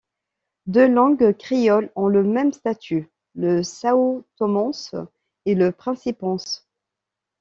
Deux langues créoles ont le même statut, le sãotomense et le principense.